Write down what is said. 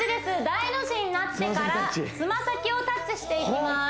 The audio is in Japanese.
大の字になってからつま先をタッチしていきます